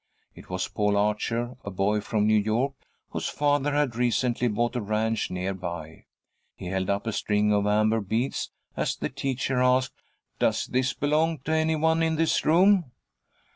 It was Paul Archer, a boy from New York, whose father had recently bought a ranch near by. He held up a string of amber beads, as the teacher asked, "Does this belong to any one in this room?"